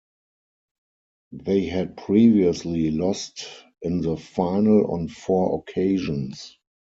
They had previously lost in the final on four occasions.